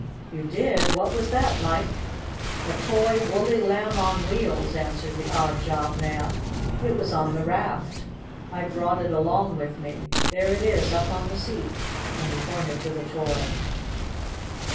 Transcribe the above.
"You did? What was that, Mike?" "A toy woolly Lamb on Wheels," answered the odd job man. "It was on the raft. I brought it along with me. There it is, up on the seat," and he pointed to the toy.